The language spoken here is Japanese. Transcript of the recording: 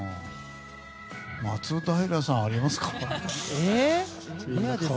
松平さん、ありますか？